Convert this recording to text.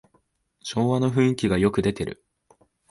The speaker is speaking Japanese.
昭和の雰囲気がよく出てる